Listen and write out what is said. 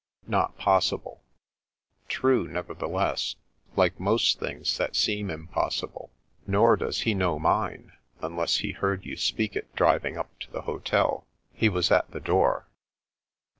" Not possible." "True, nevertheless, like most things that seem impossible ; nor does he know mine, unless he heard you speak it driving up to the hotel. He was at the door."